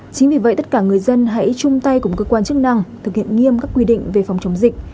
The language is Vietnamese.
chính vì vậy tất cả người dân hãy chung tay cùng cơ quan chức năng thực hiện nghiêm các quy định về phòng chống dịch